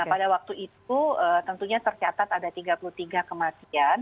nah pada waktu itu tentunya tercatat ada tiga puluh tiga kematian